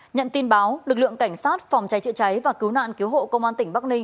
nhận tin báo lực lượng cảnh sát phòng cháy chữa cháy và cứu nạn cứu hộ công an tỉnh bắc ninh